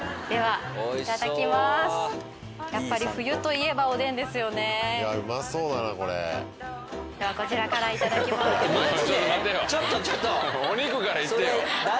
ではこちらからいただきます。